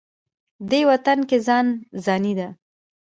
دې وطن کې ځان ځاني ده.